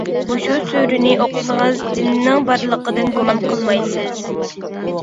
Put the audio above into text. مۇشۇ سۈرىنى ئوقۇسىڭىز جىننىڭ بارلىقىدىن گۇمان قىلمايسىز.